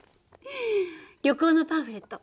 旅行のパンフレット。